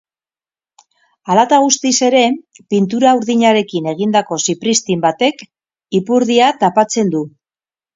Hala eta guztiz ere, pintura urdinarekin egindako zipriztin batek ipurdia tapatzen du.